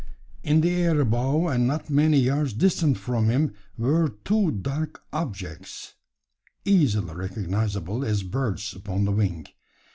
In the air above and not many yards distant from him, were two dark objects, easily recognisable as birds upon the wing.